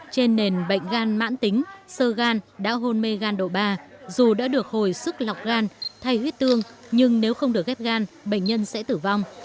trên nền bệnh gan mãn tính sơ gan đã hôn mê gan độ ba dù đã được hồi sức lọc gan thay huyết tương nhưng nếu không được ghép gan bệnh nhân sẽ tử vong